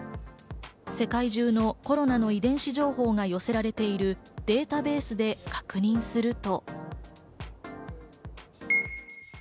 世界中のコロナの遺伝子情報が寄せられているデータベースで確認すると。